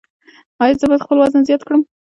ایا زه باید خپل وزن زیات کړم؟